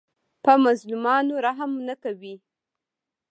په مظلومانو رحم نه کوي.